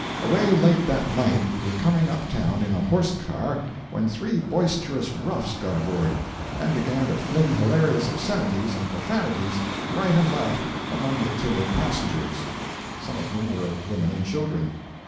Away late that night we were coming up town in a horse car when three boisterous roughs got aboard, and began to fling hilarious obscenities and profanities right and left among the timid passengers, some of whom were women and children.